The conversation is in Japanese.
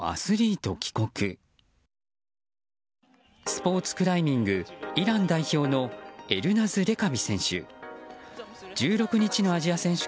スポーツクライミングイラン代表のエルナズ・レカビ選手。